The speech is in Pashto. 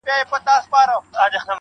نور مي له سترگو څه خوبونه مړه سول,